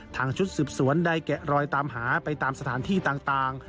ชุดสืบสวนได้แกะรอยตามหาไปตามสถานที่ต่าง